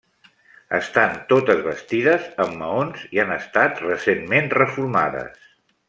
Estan totes bastides amb maons i han estat recentment reformades.